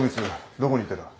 どこに行ってた？